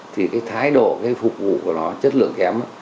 thì cái thái độ cái phục vụ của nó chất lượng kém